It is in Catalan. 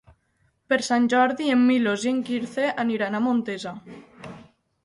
Per Sant Jordi en Milos i en Quirze aniran a Montesa.